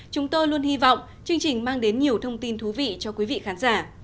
chúng tôi luôn hy vọng chương trình mang đến nhiều thông tin thú vị cho quý vị khán giả